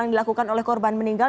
yang dilakukan oleh korban meninggal